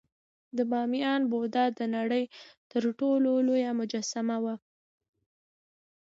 د بامیان بودا د نړۍ تر ټولو لویه مجسمه وه